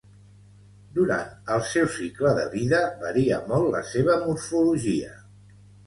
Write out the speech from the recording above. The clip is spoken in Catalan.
Durant el seu cicle de vida varia molt la seva morfologia.